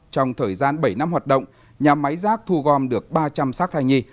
trong thời gian bảy năm hoạt động nhà máy rác thu gom được ba trăm linh sác thải nhi